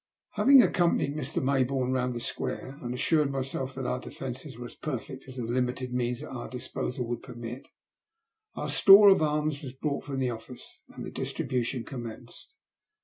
Having accompanied Mr. Mayboume round the square, and assured myself that our defences were as perfect as the limited means at our disposal would permit, our store of arms was brought from the o£Soe and the distribution commenced.